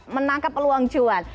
menangkap peluang cuan